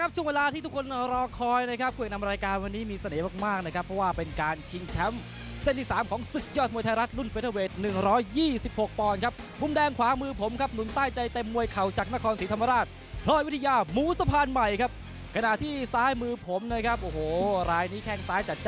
สุดท้ายคอนมวยไทยยิน